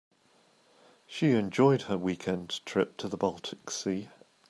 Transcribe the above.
She enjoyed her weekend trip to the baltic sea.